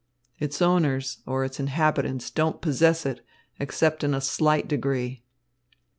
Its owners, or its inhabitants, don't possess it, except in a slight degree.